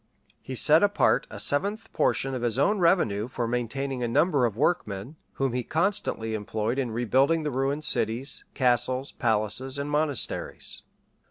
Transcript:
He set apart a seventh portion of his own revenue for maintaining a number of workmen, whom he constantly employed in rebuilding the ruined cities, castles, palaces, and monasteries.